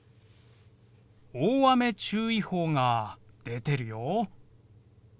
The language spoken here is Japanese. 大雨注意報が出てるよ。